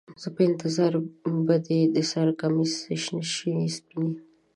زما په انتظار به دې د سـر کمڅـۍ شي سپينې